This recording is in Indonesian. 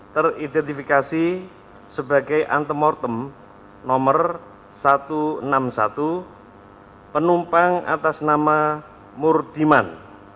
teridentifikasi sebagai antemortem nomor satu ratus empat puluh satu penumpang atas nama mur diman